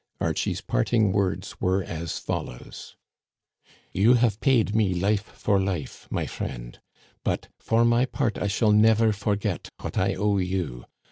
Archie's parting words were as follows :" You have paid me life for life, my friend ; but, for my part, I shall never forget what I owe you.